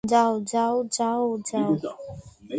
যাও, যাও, যাও, যাও!